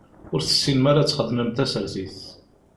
Ur tessinem ara ad txedmem tasertit.